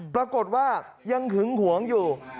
ปรากฏว่ายังหึงหวงอยู่